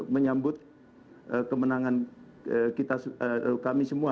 menyambut kemenangan kami semua